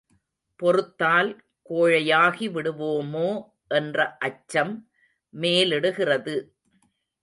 பொறுத்தால் கோழையாகி விடுவோமோ என்ற அச்சம் மேலிடுகிறது!